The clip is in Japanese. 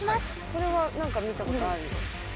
これは何か見たことあるよ。